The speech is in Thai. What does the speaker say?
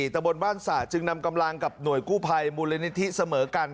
ตะบนบ้านสระจึงนำกำลังกับหน่วยกู้ภัยมูลนิธิเสมอกัน